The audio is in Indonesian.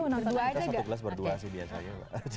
kita satu gelas berdua sih biasanya